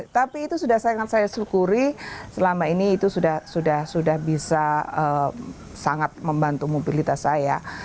tapi itu sudah sangat saya syukuri selama ini itu sudah bisa sangat membantu mobilitas saya